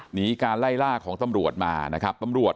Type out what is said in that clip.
หนีการไล่ล่าของตำรวจมานะครับตำรวจ